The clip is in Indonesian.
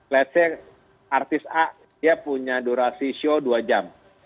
let s say artis a dia punya durasi show dua jam